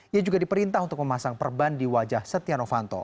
ia juga diperintah untuk memasang perban di wajah setia novanto